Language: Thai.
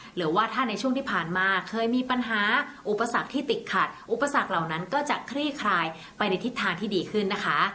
หรือว่าถ้าในช่วงที่ผ่านมาเคยมีปัญหาอุปสรรคที่ติดขัดอุปสรรคเหล่านั้นก็จะคลี่คลายไปในทิศทางที่ดีขึ้นนะคะ